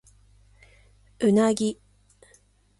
うなぎ